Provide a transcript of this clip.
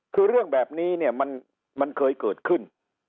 คือเรื่องแบบนี้เนี่ยมันเคยเกิดขึ้น